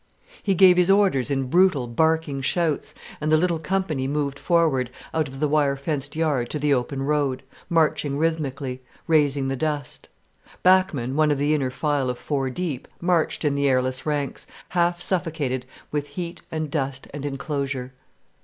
He gave his orders in brutal, barking shouts, and the little company moved forward, out of the wire fenced yard to the open road, marching rhythmically, raising the dust. Bachmann, one of the inner file of four deep, marched in the airless ranks, half suffocated with heat and dust and enclosure.